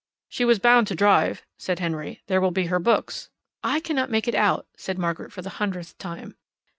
"She was bound to drive," said Henry. "There will be her books. "I cannot make it out," said Margaret for the hundredth time.